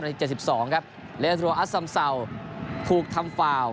นาทีเจ็บสิบสองครับเรศรัทรวงอัศสำเสาภูกทำฟาว